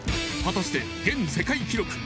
果たして現世界記録